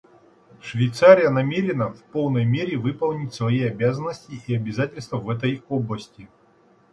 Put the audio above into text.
Швейцария намерена в полной мере выполнить свои обязанности и обязательства в этой области.